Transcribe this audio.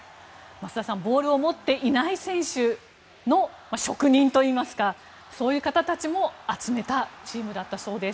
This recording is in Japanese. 増田さんボールを持っていない選手の職人といいますかそういう方たちも集めたチームだったそうです。